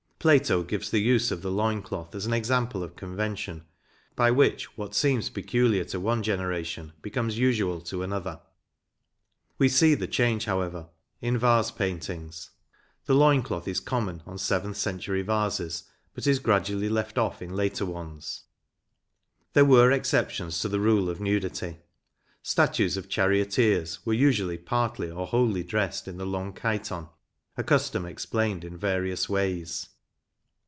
Plato gives the use of the loin cloth as an example of convention, by which what seems peculiar to one generation becomes usual to another.3 We see the change, however, in vase paintings. The loin cloth is common on seventh century vases, but is gradually left off in later ones. There were exceptions to the rule of nudity. Statues of charioteers were usually partly or wholly dressed in the long chiton, a custom explained in various ways.